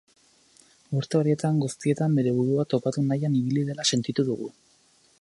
Urte horietan guztietan bere burua topatu nahian ibili dela sentitu dugu.